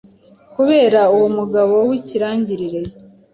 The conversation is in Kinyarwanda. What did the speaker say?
kubera uwo mugabo wikirangirire